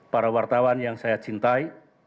para wartawan yang saya cintai